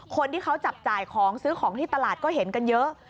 คนที่เขาจับจ่ายของซื้อของที่ตลาดก็เห็นกันเยอะ